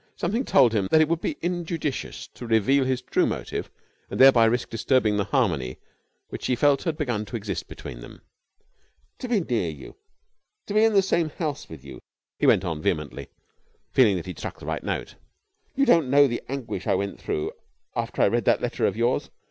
Something told him that it would be injudicious to reveal his true motive and thereby risk disturbing the harmony which he felt had begun to exist between them. "To be near you! To be in the same house with you!" he went on vehemently feeling that he had struck the right note. "You don't know the anguish I went through after I read that letter of yours.